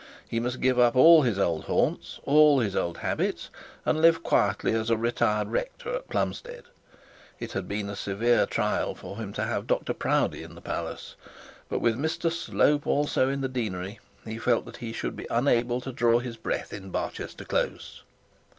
He must give up all his old haunts, all his old habits, and live quietly as a retired rector at Plumstead. It had been a severe trial for him to have Dr Proudie in the palace; but with Mr Slope also in the deanery, he felt that he should be unable to draw his breath in Barchester close.